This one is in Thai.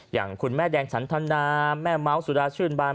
อย่างคุณแม่แดงฉันธนาแม่เมาส์สุดาชื่นบาน